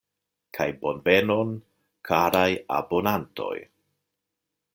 Kaj bonvenon, karaj abonantoj!!!